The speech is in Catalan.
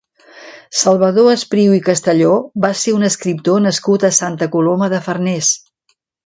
Salvador Espriu i Castelló va ser un escriptor nascut a Santa Coloma de Farners.